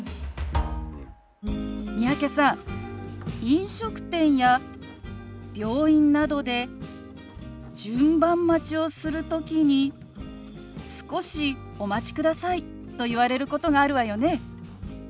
飲食店や病院などで順番待ちをする時に「少しお待ちください」と言われることがあるわよね？